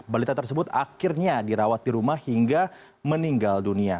balita tersebut akhirnya dirawat di rumah hingga meninggal dunia